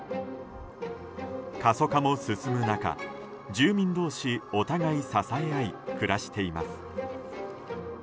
過疎化も進む中、住民同士お互い支え合い暮らしています。